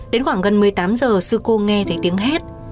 đến khoảng gần một mươi tám h sư cô nghe thấy tiếng hét